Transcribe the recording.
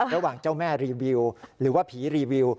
ระหว่างเจ้าแม่รีวิวหรือว่าผีรีวิว